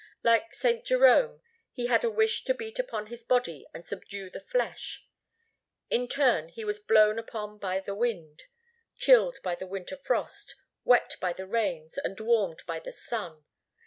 Like St. Jerome, he had a wish to beat upon his body and subdue the flesh. In turn he was blown upon by the wind, chilled by the winter frost, wet by the rains, and warmed by the sun.